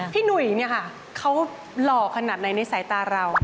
หนุ่ยเนี่ยค่ะเขาหล่อขนาดไหนในสายตาเรา